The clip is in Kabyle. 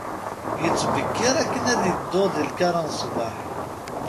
Yettbekkir akken ad iddu deg lkar n sbeḥ.